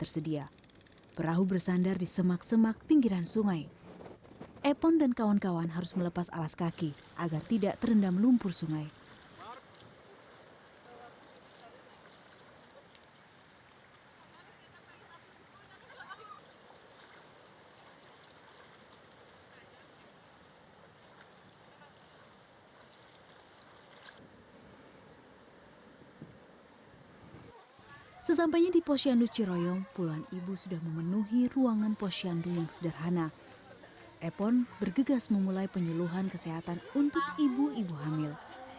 selalu rapat merupakan salah satu faktor yang bisa meningkatkan resiko kematian pada ibu hamil